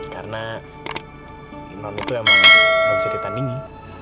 karena non itu emang gak bisa ditandingi